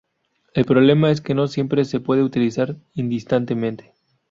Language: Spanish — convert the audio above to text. El problema es que no siempre se pueden utilizar indistintamente.